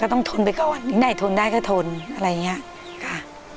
ต้องทนไปก่อนถึงไหนทนได้ก็ทนอะไรอย่างนี้ค่ะ